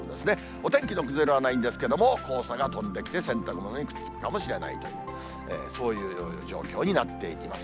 お天気の崩れはないんですけれども、黄砂が飛んできて、洗濯物にくっつくかもしれないという、そういう状況になっていきます。